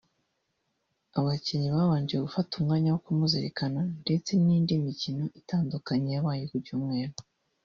abakinnyi babanje gufata umwanya wo kumuzirikana ndetse n’indi mikino itandukanye yabaye ku cyumeru